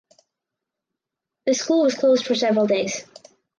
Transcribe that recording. The school was closed for several days.